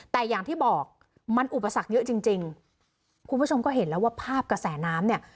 แต่อย่างที่บอกมันอุปสรรคเยอะจริงจริงคุณผู้ชมก็เห็นแล้วว่าภาพกระแสน้ำเนี่ย